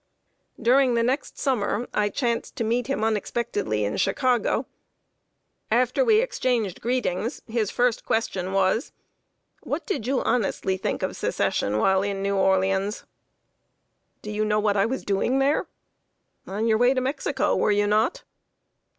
During the next summer, I chanced to meet him unexpectedly in Chicago. After we exchanged greetings, his first question was "What did you honestly think of Secession while in New Orleans?" "Do you know what I was doing there?" "On your way to Mexico, were you not?"